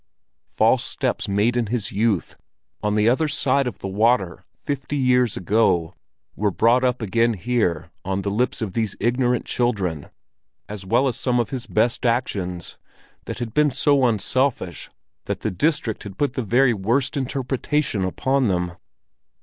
False steps made in his youth on the other side of the water fifty years ago, were brought up again here on the lips of these ignorant children, as well as some of his best actions, that had been so unselfish that the district put the very worst interpretation upon them.